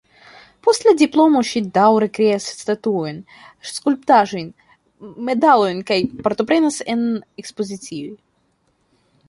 Post la diplomo ŝi daŭre kreas statuojn, skulptaĵojn, medalojn kaj partoprenas en ekspozicioj.